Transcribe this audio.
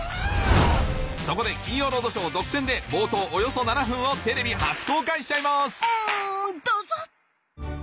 そこで『金曜ロードショー』独占で冒頭およそ７分をテレビ初公開しちゃいますんどうぞ！